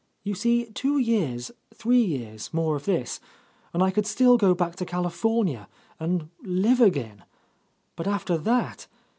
''You see, two years, three years, more of this, and I could still go back to California — and live again. But after that